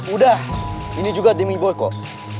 udah ini juga demi boy kok